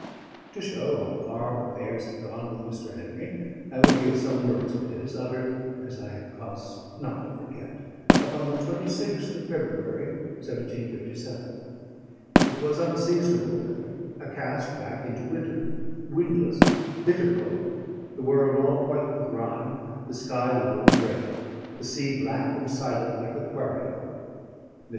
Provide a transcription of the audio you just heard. To show how far affairs had gone with Mr. Henry, I will give some words of his, uttered (as I have cause not to forget) upon the 26th of February 1757. It was unseasonable weather, a cast back into winter: windless, bitter cold, the world all white with rime, the sky low and grey: the sea black and silent like a quarry hole. Mr.